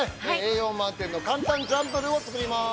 栄養満点の簡単チャンプルーを作ります。